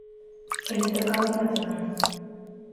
El intercambio nacional.